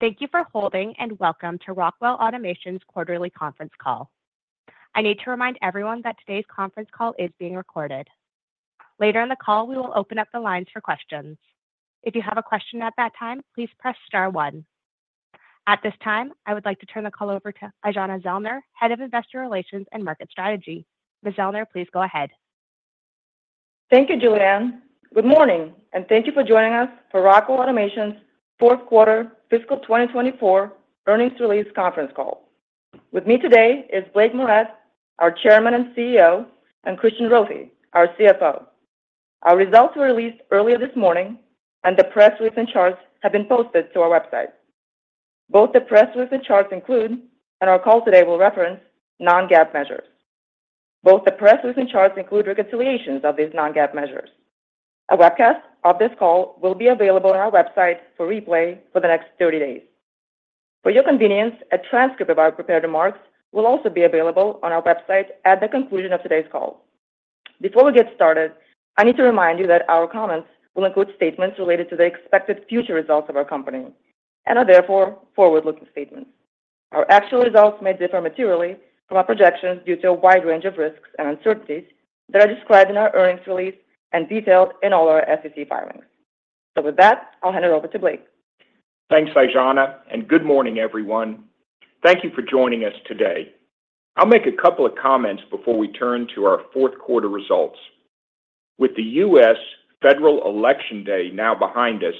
Thank you for holding and welcome to Rockwell Automation's quarterly conference call. I need to remind everyone that today's conference call is being recorded. Later in the call, we will open up the lines for questions. If you have a question at that time, please press star one. At this time, I would like to turn the call over to Aijana Zellner, Head of Investor Relations and Market Strategy. Ms. Zellner, please go ahead. Thank you, Julianne. Good morning, and thank you for joining us for Rockwell Automation's fourth quarter, fiscal 2024 earnings release conference call. With me today is Blake Moret, our Chairman and CEO, and Christian Rothe, our CFO. Our results were released earlier this morning, and the press release and charts have been posted to our website. Both the press release and charts include, and our call today will reference, non-GAAP measures. Both the press release and charts include reconciliations of these non-GAAP measures. A webcast of this call will be available on our website for replay for the next 30 days. For your convenience, a transcript of our prepared remarks will also be available on our website at the conclusion of today's call. Before we get started, I need to remind you that our comments will include statements related to the expected future results of our company and are therefore forward-looking statements. Our actual results may differ materially from our projections due to a wide range of risks and uncertainties that are described in our earnings release and detailed in all our SEC filings. So with that, I'll hand it over to Blake. Thanks, Aijana, and good morning, everyone. Thank you for joining us today. I'll make a couple of comments before we turn to our fourth quarter results. With the U.S. federal election day now behind us,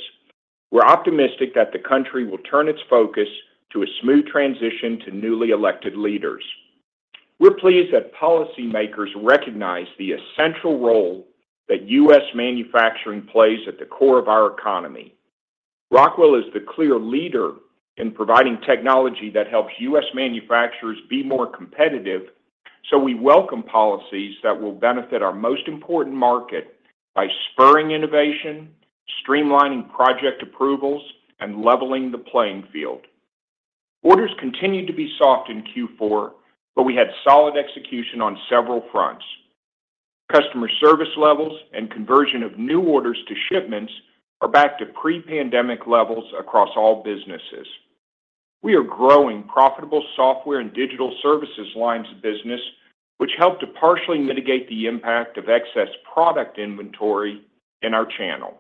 we're optimistic that the country will turn its focus to a smooth transition to newly elected leaders. We're pleased that policymakers recognize the essential role that U.S. manufacturing plays at the core of our economy. Rockwell is the clear leader in providing technology that helps U.S. manufacturers be more competitive, so we welcome policies that will benefit our most important market by spurring innovation, streamlining project approvals, and leveling the playing field. Orders continue to be soft in Q4, but we had solid execution on several fronts. Customer service levels and conversion of new orders to shipments are back to pre-pandemic levels across all businesses. We are growing profitable software and digital services lines of business, which help to partially mitigate the impact of excess product inventory in our channel.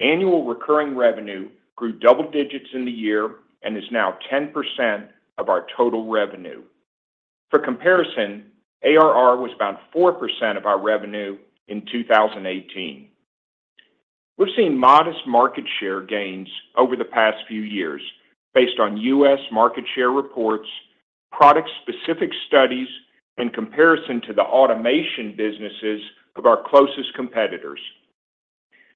Annual recurring revenue grew double digits in the year and is now 10% of our total revenue. For comparison, ARR was about 4% of our revenue in 2018. We've seen modest market share gains over the past few years based on U.S. market share reports, product-specific studies, and comparison to the automation businesses of our closest competitors.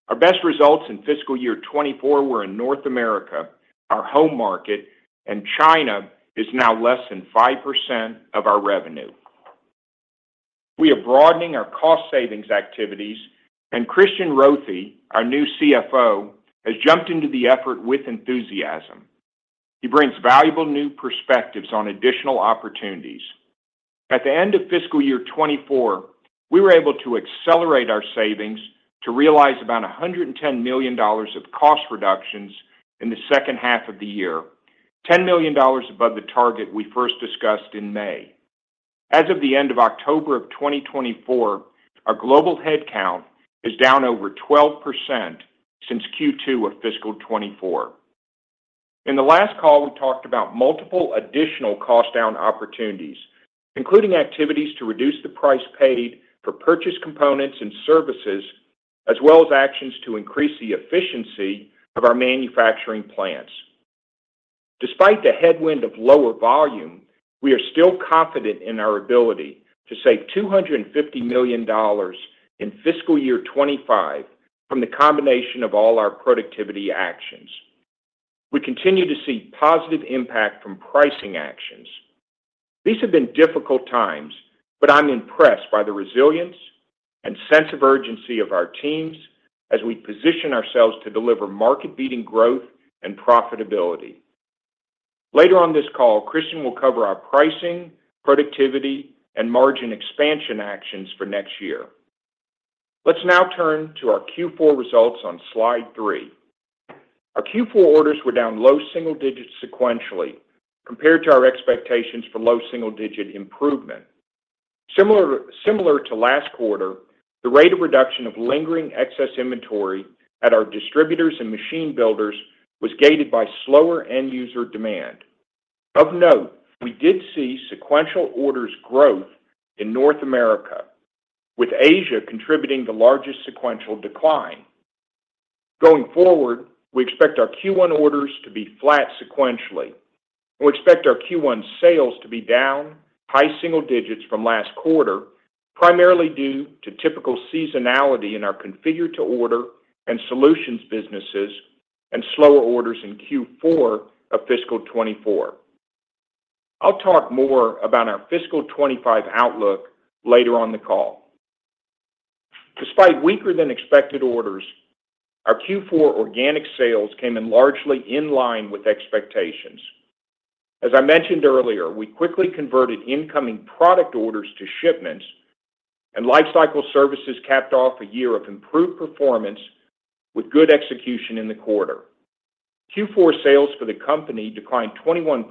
Our best results in fiscal year 2024 were in North America, our home market, and China is now less than 5% of our revenue. We are broadening our cost savings activities, and Christian Rothe, our new CFO, has jumped into the effort with enthusiasm. He brings valuable new perspectives on additional opportunities. At the end of fiscal year 2024, we were able to accelerate our savings to realize about $110 million of cost reductions in the second half of the year, $10 million above the target we first discussed in May. As of the end of October of 2024, our global headcount is down over 12% since Q2 of fiscal 2024. In the last call, we talked about multiple additional cost-down opportunities, including activities to reduce the price paid for purchase components and services, as well as actions to increase the efficiency of our manufacturing plants. Despite the headwind of lower volume, we are still confident in our ability to save $250 million in fiscal year 2025 from the combination of all our productivity actions. We continue to see positive impact from pricing actions. These have been difficult times, but I'm impressed by the resilience and sense of urgency of our teams as we position ourselves to deliver market-beating growth and profitability. Later on this call, Christian will cover our pricing, productivity, and margin expansion actions for next year. Let's now turn to our Q4 results on slide three. Our Q4 orders were down low single digits sequentially compared to our expectations for low single digit improvement. Similar to last quarter, the rate of reduction of lingering excess inventory at our distributors and machine builders was gated by slower end user demand. Of note, we did see sequential orders growth in North America, with Asia contributing the largest sequential decline. Going forward, we expect our Q1 orders to be flat sequentially. We expect our Q1 sales to be down high single digits from last quarter, primarily due to typical seasonality in our configure-to-order and solutions businesses and slower orders in Q4 of fiscal 2024. I'll talk more about our fiscal 2025 outlook later on the call. Despite weaker than expected orders, our Q4 organic sales came in largely in line with expectations. As I mentioned earlier, we quickly converted incoming product orders to shipments, and Lifecycle Services capped off a year of improved performance with good execution in the quarter. Q4 sales for the company declined 21%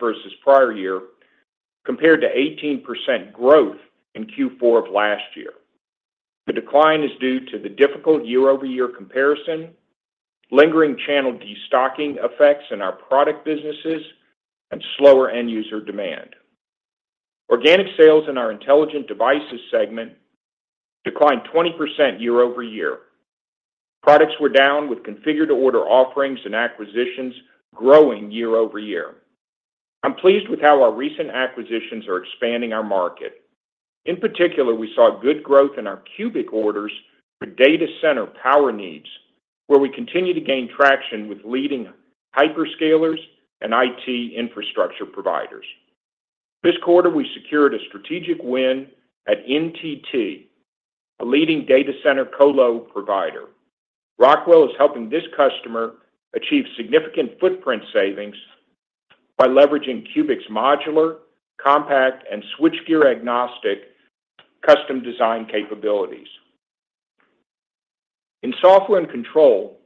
versus prior year, compared to 18% growth in Q4 of last year. The decline is due to the difficult year-over-year comparison, lingering channel destocking effects in our product businesses, and slower end user demand. Organic sales in our Intelligent Devices segment declined 20% year-over-year. Products were down, with configure-to-order offerings and acquisitions growing year-over-year. I'm pleased with how our recent acquisitions are expanding our market. In particular, we saw good growth in our CUBIC orders for data center power needs, where we continue to gain traction with leading hyperscalers and IT infrastructure providers. This quarter, we secured a strategic win at NTT, a leading data center colo provider. Rockwell is helping this customer achieve significant footprint savings by leveraging CUBIC's modular, compact, and switchgear agnostic custom design capabilities. In Software & Control,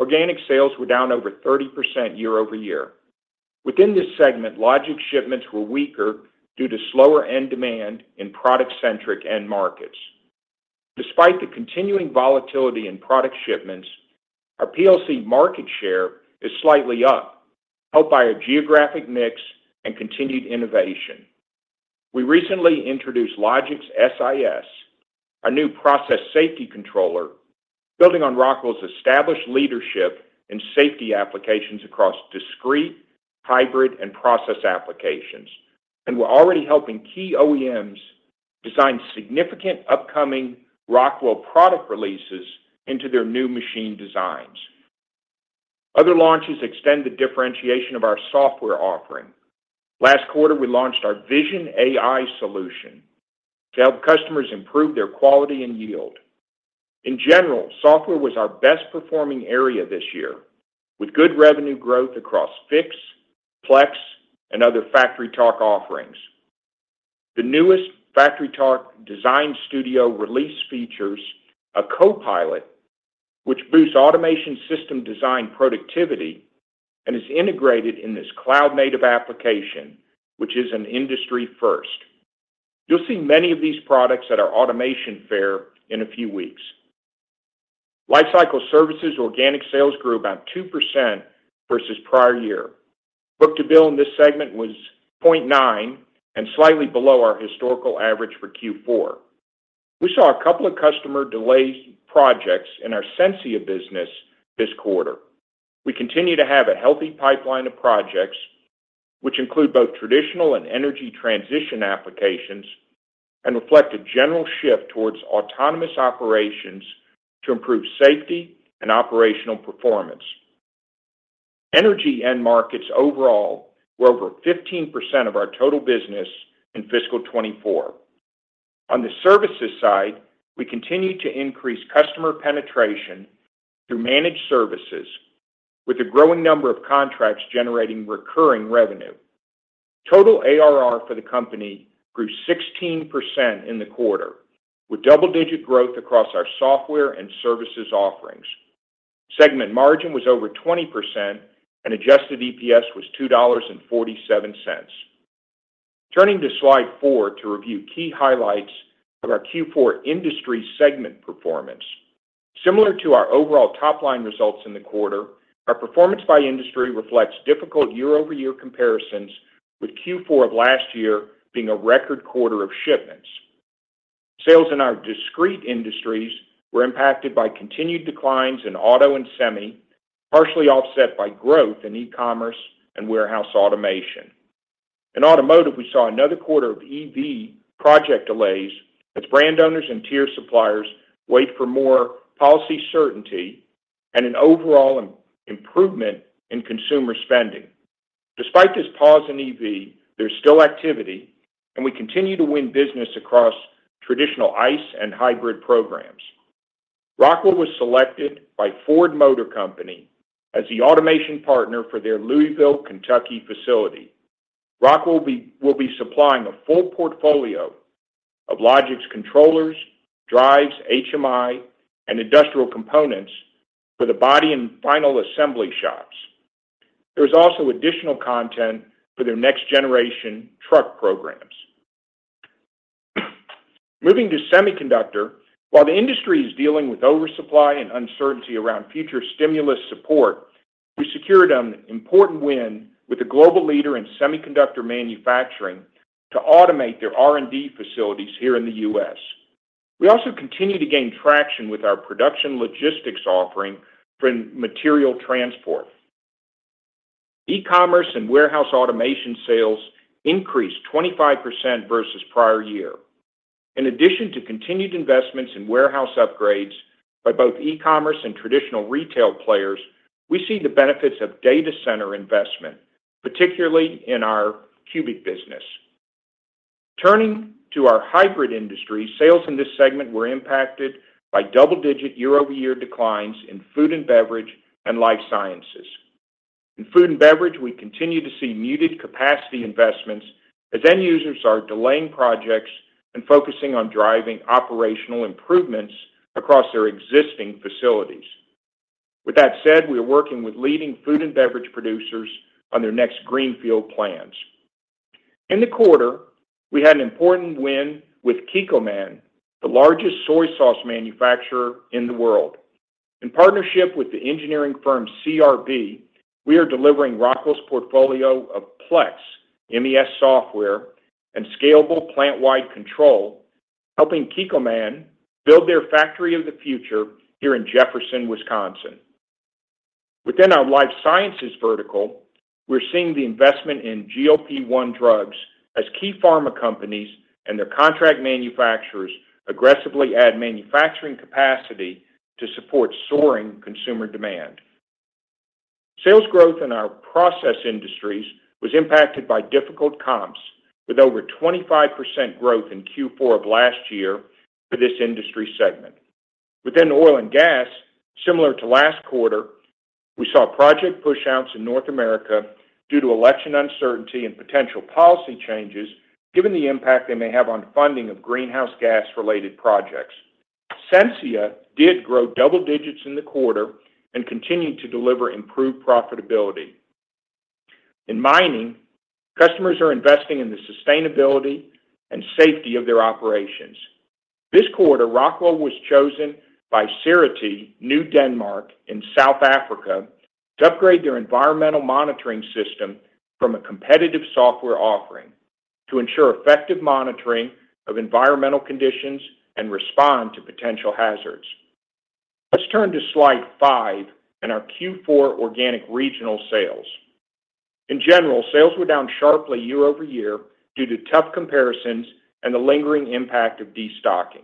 organic sales were down over 30% year-over-year. Within this segment, Logix shipments were weaker due to slower end demand in product-centric end markets. Despite the continuing volatility in product shipments, our PLC market share is slightly up, helped by our geographic mix and continued innovation. We recently introduced Logix SIS, our new process safety controller, building on Rockwell's established leadership in safety applications across discrete, hybrid, and process applications, and we're already helping key OEMs design significant upcoming Rockwell product releases into their new machine designs. Other launches extend the differentiation of our software offering. Last quarter, we launched our Vision AI solution to help customers improve their quality and yield. In general, software was our best-performing area this year, with good revenue growth across Fiix, FLEX, and other FactoryTalk offerings. The newest FactoryTalk Design Studio release features a copilot, which boosts automation system design productivity and is integrated in this cloud-native application, which is an industry first. You'll see many of these products at our Automation Fair in a few weeks. Lifecycle Services organic sales grew about 2% versus prior year. Book to bill in this segment was 0.9 and slightly below our historical average for Q4. We saw a couple of customer delays and projects in our Sensia business this quarter. We continue to have a healthy pipeline of projects, which include both traditional and energy transition applications, and reflect a general shift towards autonomous operations to improve safety and operational performance. Energy end markets overall were over 15% of our total business in fiscal 2024. On the services side, we continue to increase customer penetration through managed services, with a growing number of contracts generating recurring revenue. Total ARR for the company grew 16% in the quarter, with double-digit growth across our software and services offerings. Segment margin was over 20%, and adjusted EPS was $2.47. Turning to slide four to review key highlights of our Q4 industry segment performance. Similar to our overall top-line results in the quarter, our performance by industry reflects difficult year-over-year comparisons, with Q4 of last year being a record quarter of shipments. Sales in our discrete industries were impacted by continued declines in auto and semi, partially offset by growth in e-commerce and warehouse automation. In automotive, we saw another quarter of EV project delays as brand owners and tier suppliers wait for more policy certainty and an overall improvement in consumer spending. Despite this pause in EV, there's still activity, and we continue to win business across traditional ICE and hybrid programs. Rockwell was selected by Ford Motor Company as the automation partner for their Louisville, Kentucky facility. Rockwell will be supplying a full portfolio of Logix controllers, drives, HMI, and industrial components for the body and final assembly shops. There is also additional content for their next-generation truck programs. Moving to semiconductor, while the industry is dealing with oversupply and uncertainty around future stimulus support, we secured an important win with a global leader in semiconductor manufacturing to automate their R&D facilities here in the U.S. We also continue to gain traction with our production logistics offering for material transport. E-commerce and warehouse automation sales increased 25% versus prior year. In addition to continued investments in warehouse upgrades by both e-commerce and traditional retail players, we see the benefits of data center investment, particularly in our CUBIC business. Turning to our hybrid industry, sales in this segment were impacted by double-digit year-over-year declines in food and beverage and life sciences. In food and beverage, we continue to see muted capacity investments as end users are delaying projects and focusing on driving operational improvements across their existing facilities. With that said, we are working with leading food and beverage producers on their next greenfield plans. In the quarter, we had an important win with Kikkoman, the largest soy sauce manufacturer in the world. In partnership with the engineering firm CRB, we are delivering Rockwell's portfolio of Plex MES software and scalable plant-wide control, helping Kikkoman build their factory of the future here in Jefferson, Wisconsin. Within our life sciences vertical, we're seeing the investment in GLP-1 drugs as key pharma companies and their contract manufacturers aggressively add manufacturing capacity to support soaring consumer demand. Sales growth in our process industries was impacted by difficult comps, with over 25% growth in Q4 of last year for this industry segment. Within oil and gas, similar to last quarter, we saw project push-outs in North America due to election uncertainty and potential policy changes, given the impact they may have on funding of greenhouse gas-related projects. Sensia did grow double digits in the quarter and continued to deliver improved profitability. In mining, customers are investing in the sustainability and safety of their operations. This quarter, Rockwell was chosen by Seriti, New Denmark, in South Africa to upgrade their environmental monitoring system from a competitive software offering to ensure effective monitoring of environmental conditions and respond to potential hazards. Let's turn to slide five in our Q4 organic regional sales. In general, sales were down sharply year-over-year due to tough comparisons and the lingering impact of destocking.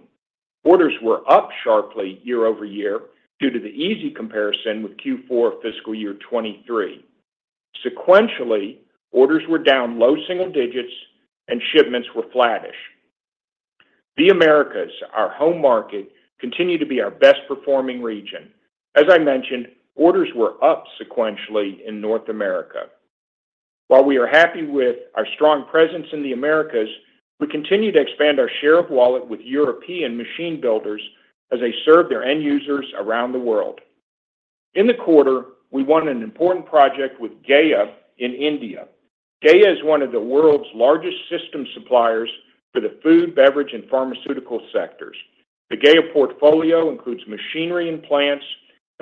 Orders were up sharply year-over-year due to the easy comparison with Q4 of fiscal year 2023. Sequentially, orders were down low single digits, and shipments were flattish. The Americas, our home market, continue to be our best-performing region. As I mentioned, orders were up sequentially in North America. While we are happy with our strong presence in the Americas, we continue to expand our share of wallet with European machine builders as they serve their end users around the world. In the quarter, we won an important project with GEA in India. GEA is one of the world's largest system suppliers for the food, beverage, and pharmaceutical sectors. The GEA portfolio includes machinery and plants,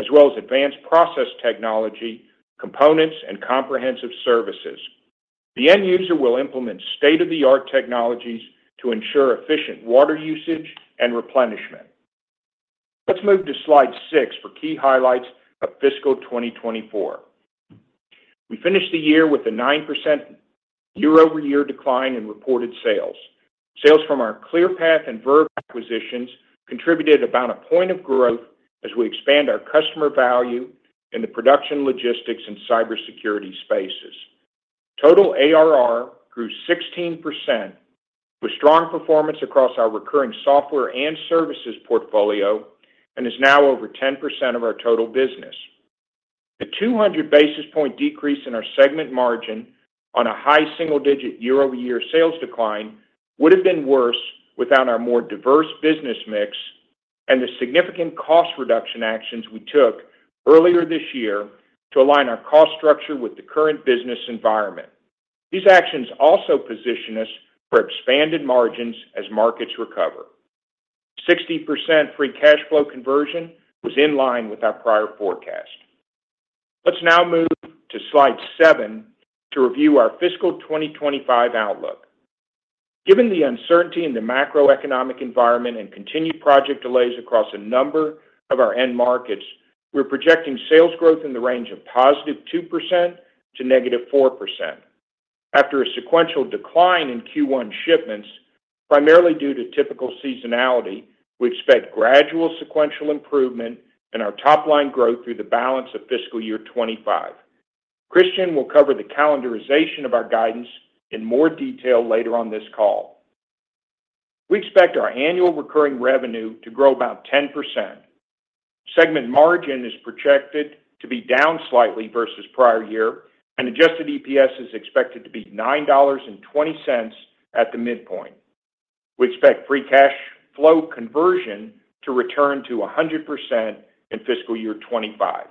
as well as advanced process technology, components, and comprehensive services. The end user will implement state-of-the-art technologies to ensure efficient water usage and replenishment. Let's move to slide six for key highlights of fiscal 2024. We finished the year with a 9% year-over-year decline in reported sales. Sales from our Clearpath and Verve acquisitions contributed about a point of growth as we expand our customer value in the production, logistics, and cybersecurity spaces. Total ARR grew 16%, with strong performance across our recurring software and services portfolio, and is now over 10% of our total business. A 200 basis points decrease in our segment margin on a high single-digit year-over-year sales decline would have been worse without our more diverse business mix and the significant cost reduction actions we took earlier this year to align our cost structure with the current business environment. These actions also position us for expanded margins as markets recover. 60% free cash flow conversion was in line with our prior forecast. Let's now move to slide seven to review our fiscal 2025 outlook. Given the uncertainty in the macroeconomic environment and continued project delays across a number of our end markets, we're projecting sales growth in the range of +2% to -4%. After a sequential decline in Q1 shipments, primarily due to typical seasonality, we expect gradual sequential improvement in our top-line growth through the balance of fiscal year 2025. Christian will cover the calendarization of our guidance in more detail later on this call. We expect our annual recurring revenue to grow about 10%. Segment margin is projected to be down slightly versus prior year, and adjusted EPS is expected to be $9.20 at the midpoint. We expect free cash flow conversion to return to 100% in fiscal year 2025.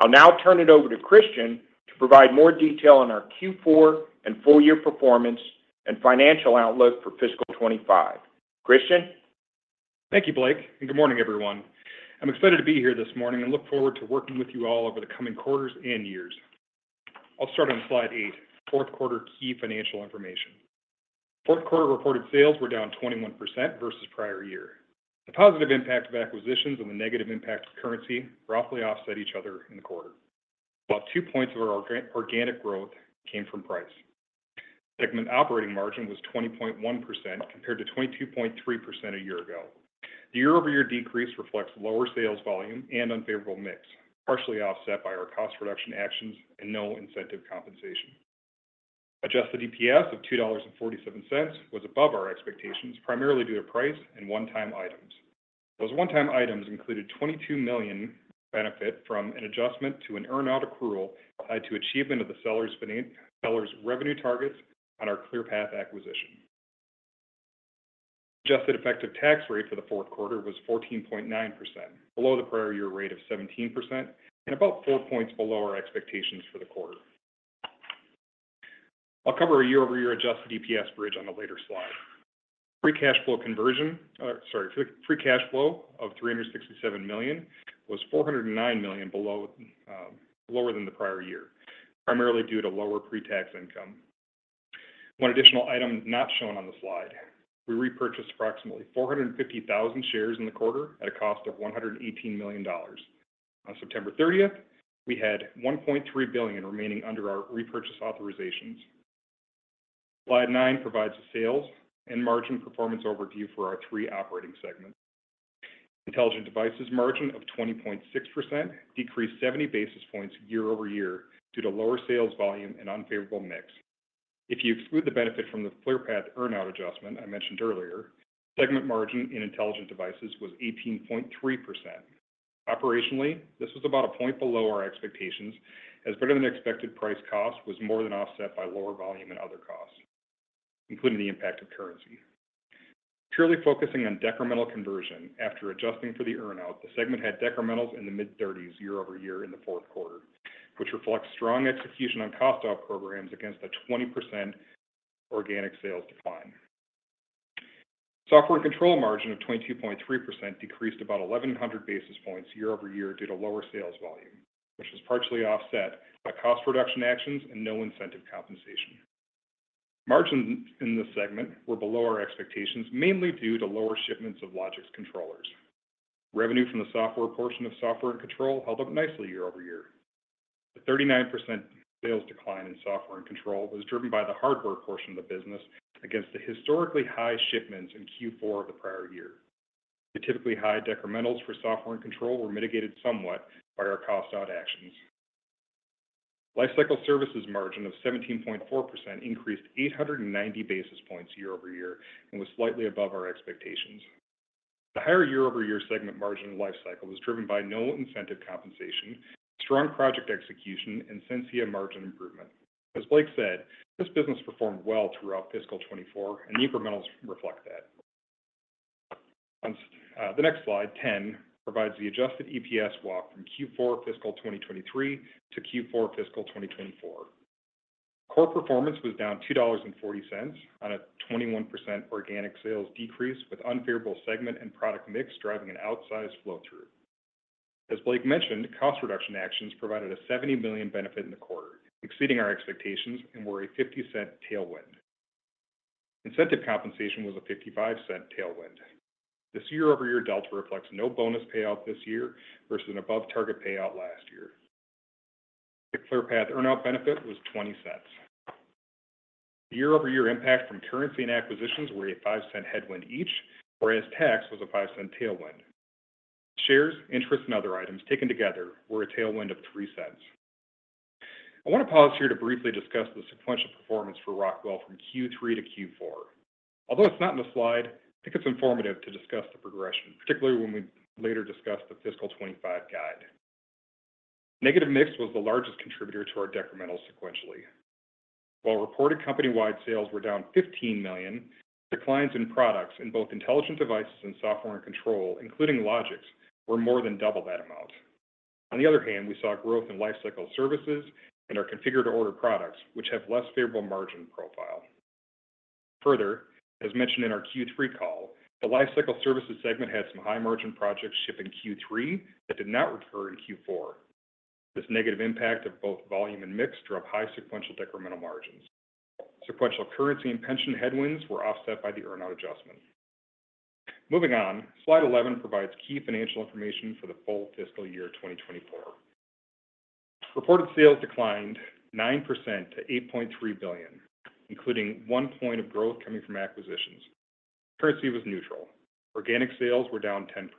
I'll now turn it over to Christian to provide more detail on our Q4 and full-year performance and financial outlook for fiscal 2025. Christian? Thank you, Blake. And good morning, everyone. I'm excited to be here this morning and look forward to working with you all over the coming quarters and years. I'll start on slide eight, fourth quarter key financial information. Fourth quarter reported sales were down 21% versus prior year. The positive impact of acquisitions and the negative impact of currency roughly offset each other in the quarter. About two points of our organic growth came from price. Segment operating margin was 20.1% compared to 22.3% a year ago. The year-over-year decrease reflects lower sales volume and unfavorable mix, partially offset by our cost reduction actions and no incentive compensation. Adjusted EPS of $2.47 was above our expectations, primarily due to price and one-time items. Those one-time items included $22 million benefit from an adjustment to an earn-out accrual tied to achievement of the seller's revenue targets on our Clearpath acquisition. Adjusted effective tax rate for the fourth quarter was 14.9%, below the prior year rate of 17%, and about four points below our expectations for the quarter. I'll cover a year-over-year adjusted EPS bridge on a later slide. Free cash flow conversion, sorry, free cash flow of $367 million was $409 million below than the prior year, primarily due to lower pre-tax income. One additional item not shown on the slide: we repurchased approximately 450,000 shares in the quarter at a cost of $118 million. On September 30th, we had $1.3 billion remaining under our repurchase authorizations. Slide nine provides a sales and margin performance overview for our three operating segments. Intelligent Devices margin of 20.6% decreased 70 basis points year-over-year due to lower sales volume and unfavorable mix. If you exclude the benefit from the Clearpath earn-out adjustment I mentioned earlier, segment margin in Intelligent Devices was 18.3%. Operationally, this was about a point below our expectations, as better than expected price cost was more than offset by lower volume and other costs, including the impact of currency. Purely focusing on decremental conversion after adjusting for the earn-out, the segment had decrementals in the mid-30s year-over-year in the fourth quarter, which reflects strong execution on cost-out programs against a 20% organic sales decline. Software & Control margin of 22.3% decreased about 1,100 basis points year-over-year due to lower sales volume, which was partially offset by cost reduction actions and no incentive compensation. Margins in this segment were below our expectations, mainly due to lower shipments of Logix controllers. Revenue from the software portion of Software & Control held up nicely year-over-year. The 39% sales decline in Software & Control was driven by the hardware portion of the business against the historically high shipments in Q4 of the prior year. The typically high decrementals for Software & Control were mitigated somewhat by our cost-out actions. Lifecycle Services margin of 17.4% increased 890 basis points year-over-year and was slightly above our expectations. The higher year-over-year segment margin Lifecycle was driven by no incentive compensation, strong project execution, and Sensia margin improvement. As Blake said, this business performed well throughout fiscal 2024, and the incrementals reflect that. The next slide 10 provides the adjusted EPS walk from Q4 fiscal 2023 to Q4 fiscal 2024. Core performance was down $2.40 on a 21% organic sales decrease, with unfavorable segment and product mix driving an outsized flow-through. As Blake mentioned, cost reduction actions provided a $70 million benefit in the quarter, exceeding our expectations and were a $0.50 tailwind. Incentive compensation was a $0.55 tailwind. This year-over-year delta reflects no bonus payout this year versus an above-target payout last year. The Clearpath earn-out benefit was $0.20. The year-over-year impact from currency and acquisitions were a $0.05 headwind each, whereas tax was a $0.05 tailwind. Shares, interest, and other items taken together were a tailwind of $0.03. I want to pause here to briefly discuss the sequential performance for Rockwell from Q3 to Q4. Although it's not in the slide, I think it's informative to discuss the progression, particularly when we later discuss the fiscal 2025 guide. Negative mix was the largest contributor to our decrementals sequentially. While reported company-wide sales were down $15 million, declines in products in both Intelligent Devices and Software & Control, including Logix, were more than double that amount. On the other hand, we saw growth in Lifecycle Services and our configured-to-order products, which have less favorable margin profile. Further, as mentioned in our Q3 call, the Lifecycle Services segment had some high-margin projects ship in Q3 that did not recur in Q4. This negative impact of both volume and mix drove high sequential decremental margins. Sequential currency and pension headwinds were offset by the earn-out adjustment. Moving on, slide 11 provides key financial information for the full fiscal year 2024. Reported sales declined 9% to $8.3 billion, including one point of growth coming from acquisitions. Currency was neutral. Organic sales were down 10%.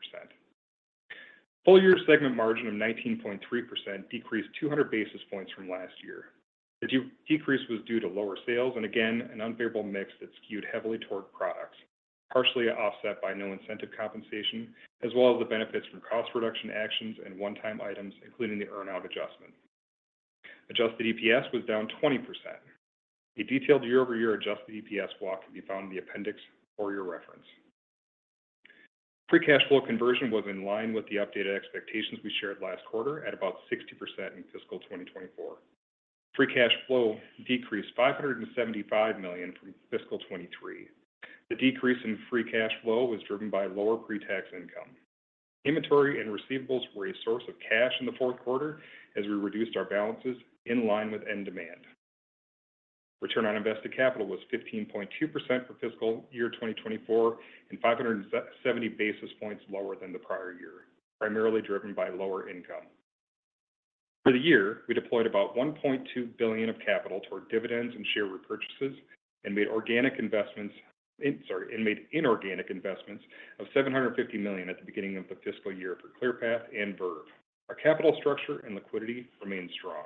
Full-year segment margin of 19.3% decreased 200 basis points from last year. The decrease was due to lower sales and, again, an unfavorable mix that skewed heavily toward products, partially offset by no incentive compensation, as well as the benefits from cost reduction actions and one-time items, including the earn-out adjustment. Adjusted EPS was down 20%. A detailed year-over-year adjusted EPS walk can be found in the appendix for your reference. Free cash flow conversion was in line with the updated expectations we shared last quarter at about 60% in fiscal 2024. Free cash flow decreased $575 million from fiscal 2023. The decrease in free cash flow was driven by lower pre-tax income. Inventory and receivables were a source of cash in the fourth quarter as we reduced our balances in line with end demand. Return on invested capital was 15.2% for fiscal year 2024 and 570 basis points lower than the prior year, primarily driven by lower income. For the year, we deployed about $1.2 billion of capital toward dividends and share repurchases and made organic investments, sorry, and made inorganic investments, of $750 million at the beginning of the fiscal year for Clearpath and Verve. Our capital structure and liquidity remained strong.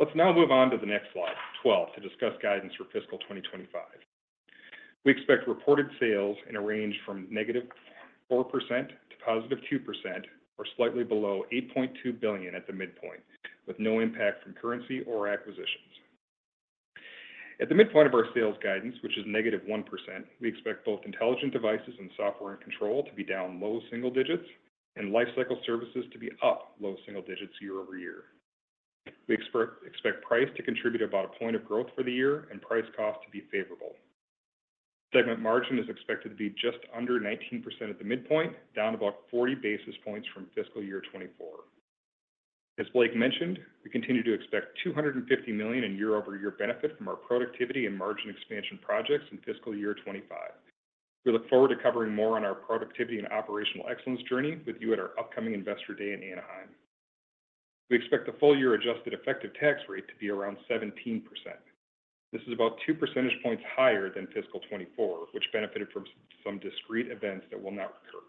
Let's now move on to the next slide, 12, to discuss guidance for fiscal 2025. We expect reported sales in a range from -4% to +2% or slightly below $8.2 billion at the midpoint, with no impact from currency or acquisitions. At the midpoint of our sales guidance, which is -1%, we expect both Intelligent Devices and Software & Control to be down low single digits and Lifecycle Services to be up low single digits year-over-year. We expect price to contribute about a point of growth for the year and price cost to be favorable. Segment margin is expected to be just under 19% at the midpoint, down about 40 basis points from fiscal year 2024. As Blake mentioned, we continue to expect $250 million in year-over-year benefit from our productivity and margin expansion projects in fiscal year 2025. We look forward to covering more on our productivity and operational excellence journey with you at our upcoming investor day in Anaheim. We expect the full-year adjusted effective tax rate to be around 17%. This is about 2 percentage points higher than fiscal 2024, which benefited from some discreet events that will not recur.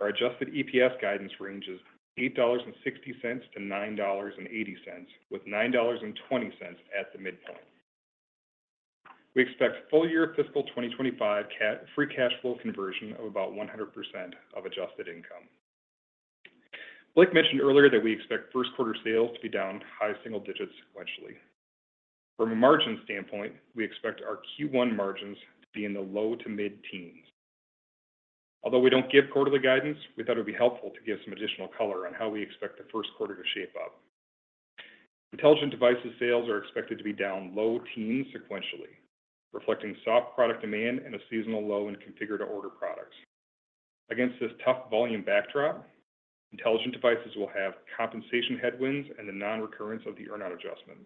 Our adjusted EPS guidance ranges $8.60-$9.80, with $9.20 at the midpoint. We expect full-year fiscal 2025 free cash flow conversion of about 100% of adjusted income. Blake mentioned earlier that we expect first-quarter sales to be down high single digits sequentially. From a margin standpoint, we expect our Q1 margins to be in the low to mid-teens. Although we don't give quarterly guidance, we thought it would be helpful to give some additional color on how we expect the first quarter to shape up. Intelligent Devices sales are expected to be down low teens sequentially, reflecting soft product demand and a seasonal low in configure-to-order products. Against this tough volume backdrop, Intelligent Devices will have compensation headwinds and the non-recurrence of the earn-out adjustment.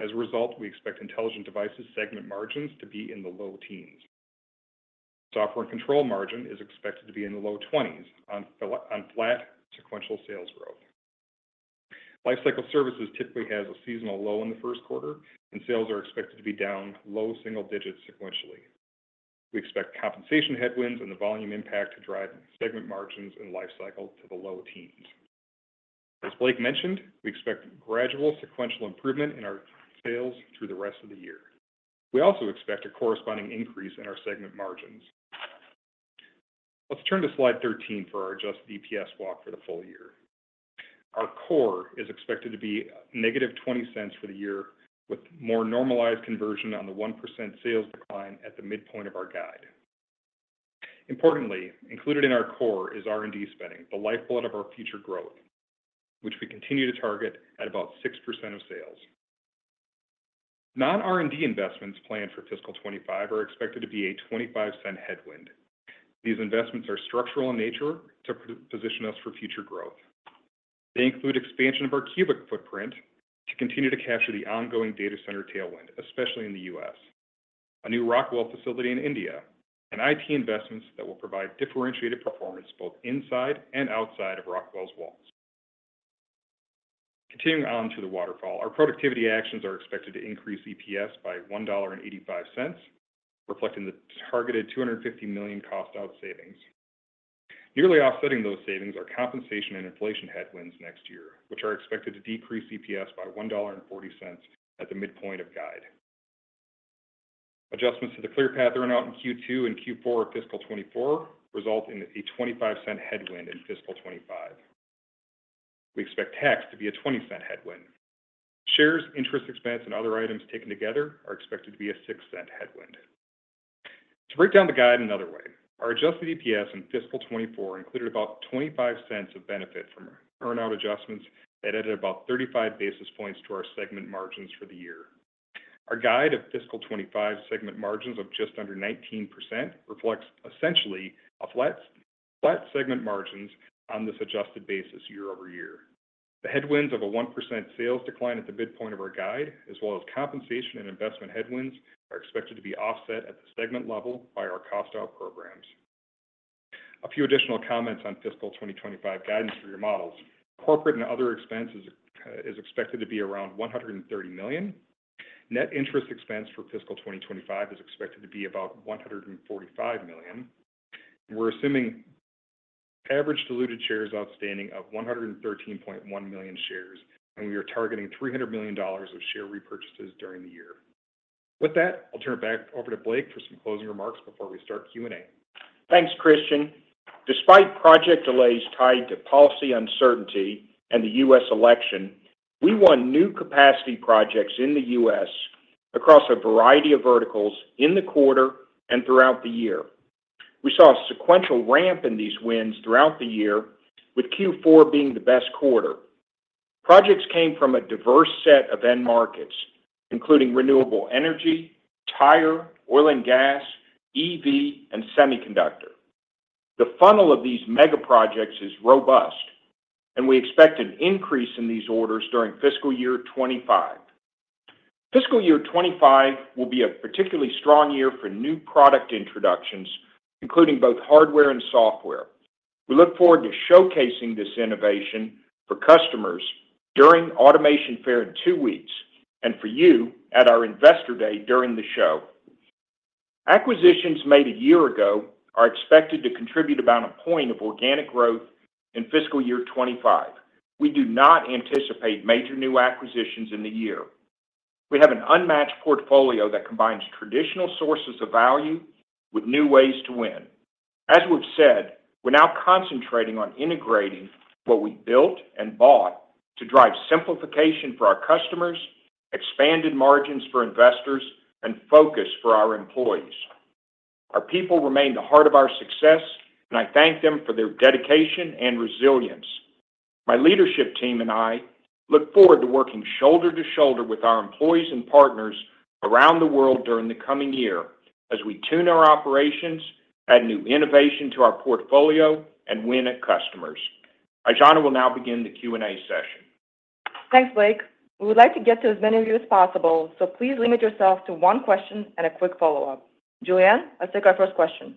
As a result, we expect Intelligent Devices segment margins to be in the low teens. Software & Control margin is expected to be in the low 20s on flat sequential sales growth. Lifecycle Services typically has a seasonal low in the first quarter, and sales are expected to be down low single digits sequentially. We expect compensation headwinds and the volume impact to drive segment margins and Lifecycle Services to the low teens. As Blake mentioned, we expect gradual sequential improvement in our sales through the rest of the year. We also expect a corresponding increase in our segment margins. Let's turn to slide 13 for our Adjusted EPS walk for the full year. Our core is expected to be negative $0.20 for the year, with more normalized conversion on the 1% sales decline at the midpoint of our guide. Importantly, included in our core is R&D spending, the lifeblood of our future growth, which we continue to target at about 6% of sales. Non-R&D investments planned for fiscal 2025 are expected to be a $0.25 headwind. These investments are structural in nature to position us for future growth. They include expansion of our CUBIC footprint to continue to capture the ongoing data center tailwind, especially in the U.S., a new Rockwell facility in India, and IT investments that will provide differentiated performance both inside and outside of Rockwell's walls. Continuing on to the waterfall, our productivity actions are expected to increase EPS by $1.85, reflecting the targeted $250 million cost-out savings. Nearly offsetting those savings are compensation and inflation headwinds next year, which are expected to decrease EPS by $1.40 at the midpoint of guide. Adjustments to the Clearpath earn-out in Q2 and Q4 of fiscal 2024 result in a $0.25 headwind in fiscal 2025. We expect tax to be a $0.20 headwind. Shares, interest, expense, and other items taken together are expected to be a $0.06 headwind. To break down the guide in another way, our adjusted EPS in fiscal 2024 included about $0.25 of benefit from earn-out adjustments that added about 35 basis points to our segment margins for the year. Our guide of fiscal 2025 segment margins of just under 19% reflects essentially a flat segment margins on this adjusted basis year-over-year. The headwinds of a 1% sales decline at the midpoint of our guide, as well as compensation and investment headwinds, are expected to be offset at the segment level by our cost-out programs. A few additional comments on fiscal 2025 guidance for your models. Corporate and other expenses are expected to be around $130 million. Net interest expense for fiscal 2025 is expected to be about $145 million. We're assuming average diluted shares outstanding of 113.1 million shares, and we are targeting $300 million of share repurchases during the year. With that, I'll turn it back over to Blake for some closing remarks before we start Q&A. Thanks, Christian. Despite project delays tied to policy uncertainty and the U.S. election, we won new capacity projects in the U.S. across a variety of verticals in the quarter and throughout the year. We saw a sequential ramp in these wins throughout the year, with Q4 being the best quarter. Projects came from a diverse set of end markets, including renewable energy, tire, oil and gas, EV, and semiconductor. The funnel of these mega projects is robust, and we expect an increase in these orders during fiscal year 2025. Fiscal year 2025 will be a particularly strong year for new product introductions, including both hardware and software. We look forward to showcasing this innovation for customers during Automation Fair in two weeks and for you at our investor day during the show. Acquisitions made a year ago are expected to contribute about a point of organic growth in fiscal year 2025. We do not anticipate major new acquisitions in the year. We have an unmatched portfolio that combines traditional sources of value with new ways to win. As we've said, we're now concentrating on integrating what we built and bought to drive simplification for our customers, expanded margins for investors, and focus for our employees. Our people remain the heart of our success, and I thank them for their dedication and resilience. My leadership team and I look forward to working shoulder to shoulder with our employees and partners around the world during the coming year as we tune our operations, add new innovation to our portfolio, and win at customers. Aijana will now begin the Q&A session. Thanks, Blake. We would like to get to as many of you as possible, so please limit yourself to one question and a quick follow-up. Julianne, let's take our first question.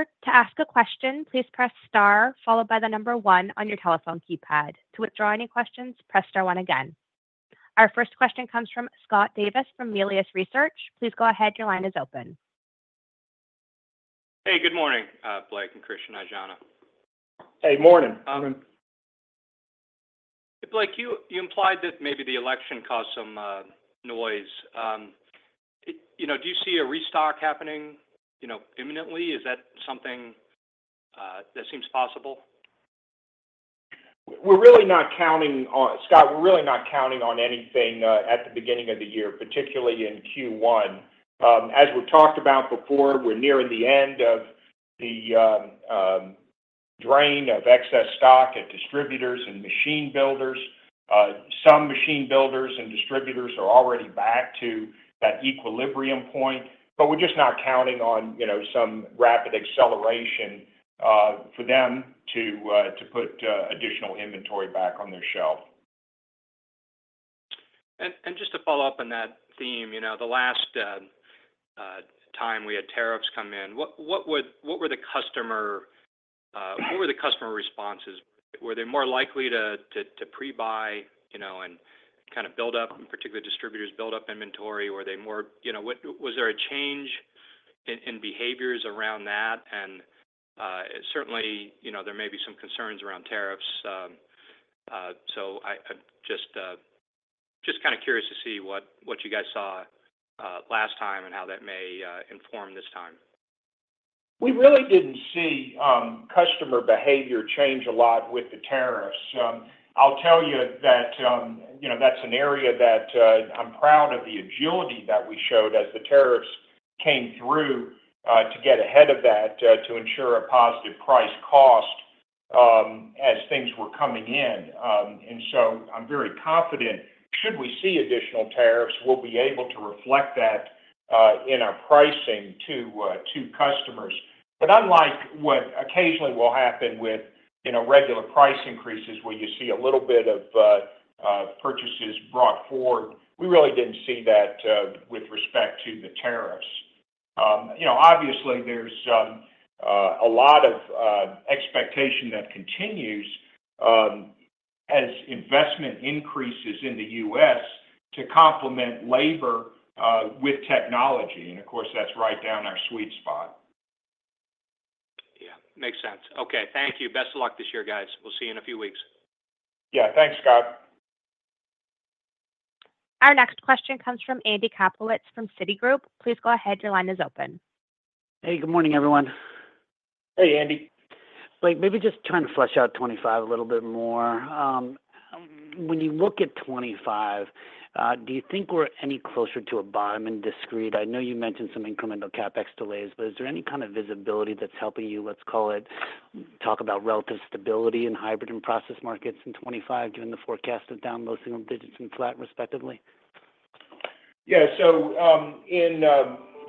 To ask a question, please press star, followed by the number one on your telephone keypad. To withdraw any questions, press star one again. Our first question comes from Scott Davis from Melius Research. Please go ahead. Your line is open. Hey, good morning, Blake and Christian. Aijana. Hey, morning. Hey, Blake. You implied that maybe the election caused some noise. Do you see a restock happening imminently? Is that something that seems possible? We're really not counting on it, Scott. We're really not counting on anything at the beginning of the year, particularly in Q1. As we've talked about before, we're nearing the end of the drain of excess stock at distributors and machine builders. Some machine builders and distributors are already back to that equilibrium point, but we're just not counting on some rapid acceleration for them to put additional inventory back on their shelf. And just to follow up on that theme, the last time we had tariffs come in, what were the customer responses? Were they more likely to pre-buy and kind of build up, particularly distributors, build up inventory? Were they more, was there a change in behaviors around that? And certainly, there may be some concerns around tariffs. So I'm just kind of curious to see what you guys saw last time and how that may inform this time. We really didn't see customer behavior change a lot with the tariffs. I'll tell you that that's an area that I'm proud of the agility that we showed as the tariffs came through to get ahead of that to ensure a positive price cost as things were coming in. And so I'm very confident should we see additional tariffs, we'll be able to reflect that in our pricing to customers. But unlike what occasionally will happen with regular price increases where you see a little bit of purchases brought forward, we really didn't see that with respect to the tariffs. Obviously, there's a lot of expectation that continues as investment increases in the U.S. to complement labor with technology. And of course, that's right down our sweet spot. Yeah. Makes sense. Okay. Thank you. Best of luck this year, guys. We'll see you in a few weeks. Yeah. Thanks, Scott. Our next question comes from Andy Kaplowitz from Citigroup. Please go ahead. Your line is open. Hey, good morning, everyone. Hey, Andy. Blake, maybe just trying to flesh out 2025 a little bit more. When you look at 2025, do you think we're any closer to a bottom in discrete? I know you mentioned some incremental CapEx delays, but is there any kind of visibility that's helping you, let's call it, talk about relative stability in hybrid and process markets in 2025 given the forecast of down low single digits and flat respectively? Yeah, so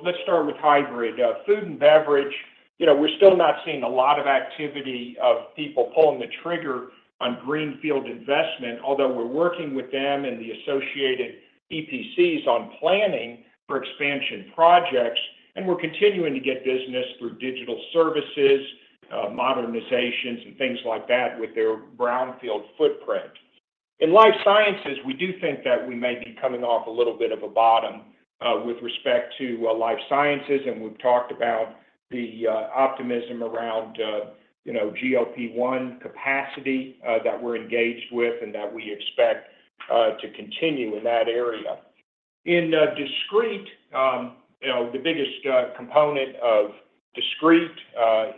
let's start with hybrid. Food and beverage, we're still not seeing a lot of activity of people pulling the trigger on greenfield investment, although we're working with them and the associated EPCs on planning for expansion projects, and we're continuing to get business through digital services, modernizations, and things like that with their brownfield footprint. In life sciences, we do think that we may be coming off a little bit of a bottom with respect to life sciences, and we've talked about the optimism around GLP-1 capacity that we're engaged with and that we expect to continue in that area. In discrete, the biggest component of discrete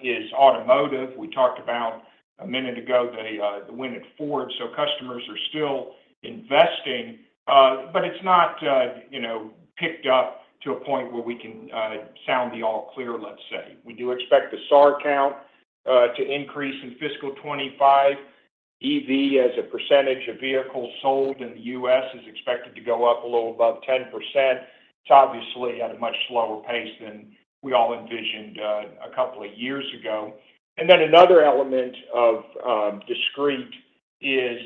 is automotive. We talked about a minute ago the win at Ford. So customers are still investing, but it's not picked up to a point where we can sound the all clear, let's say. We do expect the SAAR count to increase in fiscal 2025. EV, as a percentage of vehicles sold in the U.S., is expected to go up a little above 10%. It's obviously at a much slower pace than we all envisioned a couple of years ago. And then another element of discrete is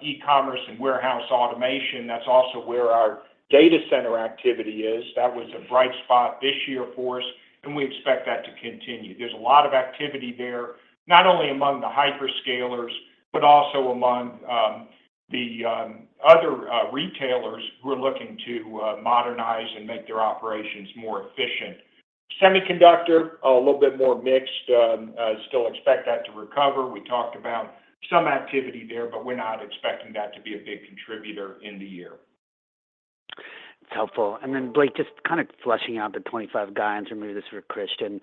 e-commerce and warehouse automation. That's also where our data center activity is. That was a bright spot this year for us, and we expect that to continue. There's a lot of activity there, not only among the hyperscalers, but also among the other retailers who are looking to modernize and make their operations more efficient. Semiconductor, a little bit more mixed. Still expect that to recover. We talked about some activity there, but we're not expecting that to be a big contributor in the year. It's helpful. And then, Blake, just kind of fleshing out the 2025 guidance, remove this for Christian.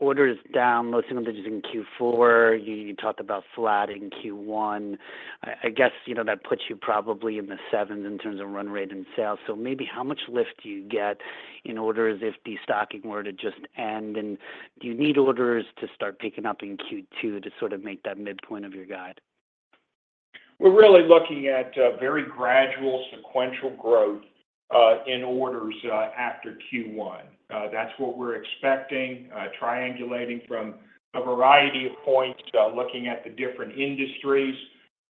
Orders down, low single digits in Q4. You talked about flat in Q1. I guess that puts you probably in the sevens in terms of run rate and sales. So maybe how much lift do you get in orders if destocking were to just end? And do you need orders to start picking up in Q2 to sort of make that midpoint of your guide? We're really looking at very gradual sequential growth in orders after Q1. That's what we're expecting, triangulating from a variety of points looking at the different industries.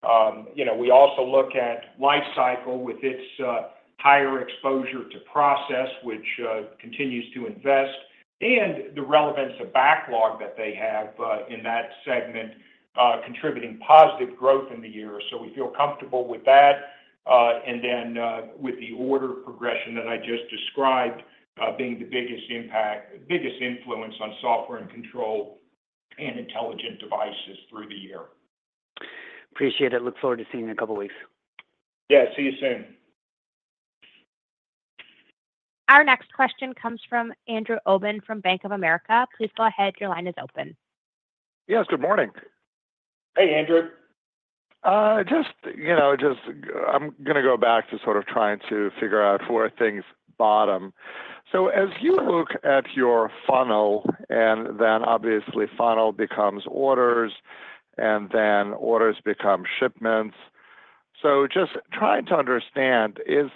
We also look at Lifecycle with its higher exposure to process, which continues to invest, and the relevance of backlog that they have in that segment, contributing positive growth in the year. So we feel comfortable with that. And then with the order progression that I just described being the biggest influence on Software & Control and Intelligent Devices through the year. Appreciate it. Look forward to seeing you in a couple of weeks. Yeah. See you soon. Our next question comes from Andrew Obin from Bank of America. Please go ahead. Your line is open. Yes. Good morning. Hey, Andrew. Just I'm going to go back to sort of trying to figure out where things bottom. So as you look at your funnel, and then obviously funnel becomes orders, and then orders become shipments. So, just trying to understand, is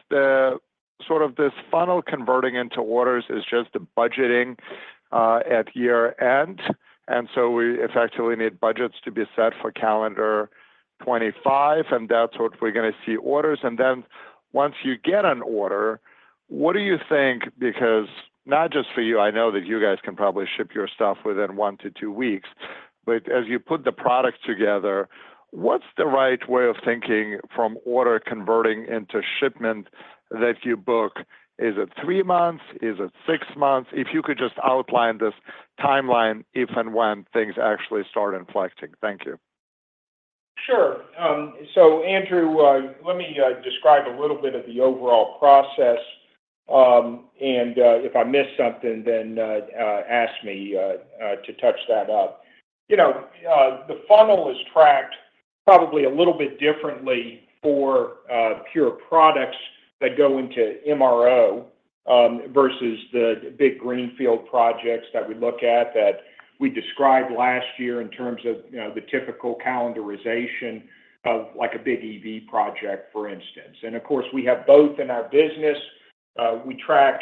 sort of the funnel converting into orders just the budgeting at year end? And so we effectively need budgets to be set for calendar 2025, and that's what we're going to see orders. And then once you get an order, what do you think? Because not just for you, I know that you guys can probably ship your stuff within one to two weeks. But as you put the product together, what's the right way of thinking from order converting into shipment that you book? Is it three months? Is it six months? If you could just outline this timeline, if and when things actually start inflecting. Thank you. Sure. So, Andrew, let me describe a little bit of the overall process. And if I miss something, then ask me to touch that up. The funnel is tracked probably a little bit differently for pure products that go into MRO versus the big greenfield projects that we look at that we described last year in terms of the typical calendarization of a big EV project, for instance, and of course, we have both in our business. We track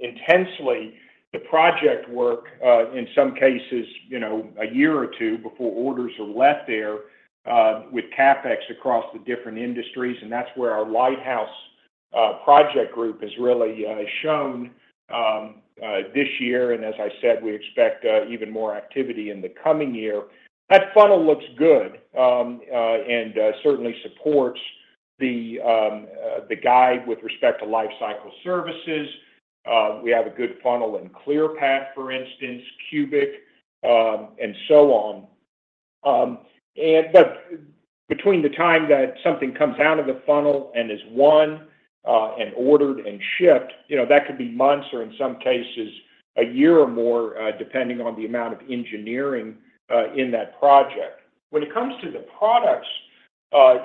intensely the project work, in some cases, a year or two before orders are left there with CapEx across the different industries, and that's where our Lighthouse project group has really shown this year, and as I said, we expect even more activity in the coming year. That funnel looks good and certainly supports the guide with respect to Lifecycle Services. We have a good funnel in Clearpath, for instance, CUBIC, and so on. But between the time that something comes out of the funnel and is won and ordered and shipped, that could be months or, in some cases, a year or more, depending on the amount of engineering in that project. When it comes to the products